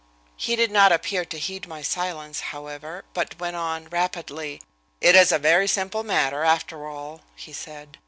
He did not appear to heed my silence however, but went on rapidly: "It is a very simple matter, after all," he said.